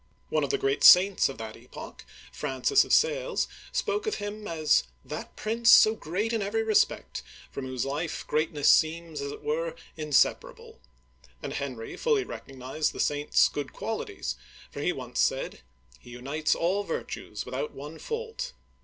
One of the great saints of that epoch, Francis of Sales, spoke of him as That prince, so great in every respect, from whose life greatness seems, as it were, in separable ;" and Henry fully recognized the saint's good qualities, for he once said :" He unites all virtues with out one fault.